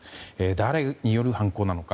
誰による犯行なのか